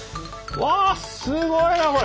わすごいなこれ！